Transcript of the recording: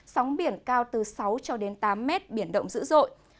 sóng biển cao từ sáu cho đến tám mét biển động dữ dội